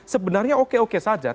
sebenarnya oke oke saja